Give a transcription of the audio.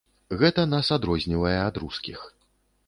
Гэта нас адрознівае ад рускіх.